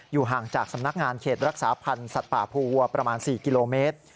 ห่างจากสำนักงานเขตรักษาพันธ์สัตว์ป่าภูวัวประมาณ๔กิโลเมตร